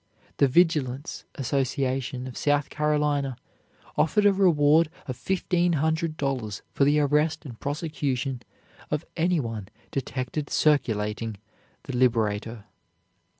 The Vigilance Association of South Carolina offered a reward of fifteen hundred dollars for the arrest and prosecution of any one detected circulating the "Liberator."